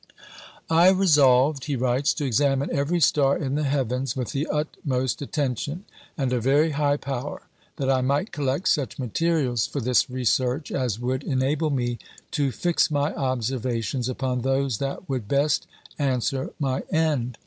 "I resolved," he writes, "to examine every star in the heavens with the utmost attention and a very high power, that I might collect such materials for this research as would enable me to fix my observations upon those that would best answer my end.